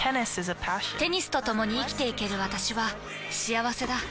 テニスとともに生きていける私は幸せだ。